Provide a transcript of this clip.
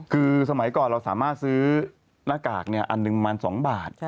คือสมัยก่อนเราสามารถซื้อหน้ากากอันหนึ่งประมาณ๒บาท